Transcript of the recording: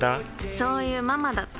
そういうママだって。